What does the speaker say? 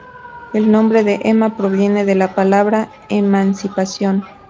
El nombre de "Emma", proviene de la palabra "emancipación".